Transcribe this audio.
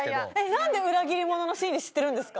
何で裏切り者の心理知ってるんですか？